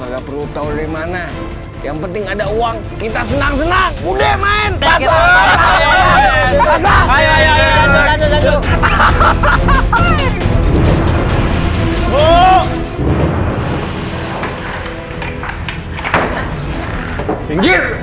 enggak perlu tahu dari mana yang penting ada uang kita senang senang udah main